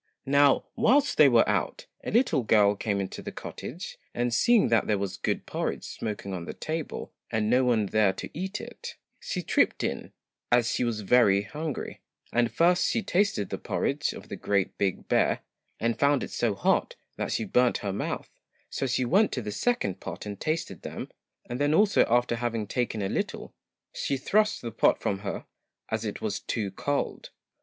Now, whilst they were out, a little girl came into the cottage, and seeing that there was good porridge smoking on the table, and no one there to eat it, she tripped in, as she was very hungry, and first she tasted the porridge of the GREAT BIG BEAR, and found It so hot that she burnt her mouth, so she went to the second pot and tasted them, and then also after having taken a little, she thrust the pot from her, as it was too cold.